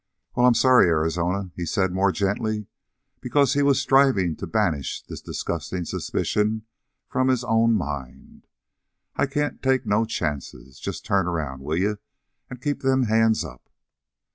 "Well, I'm sorry, Arizona," he said more gently, because he was striving to banish this disgusting suspicion from his own mind. "I can't take no chances. Just turn around, will you. And keep them hands up!"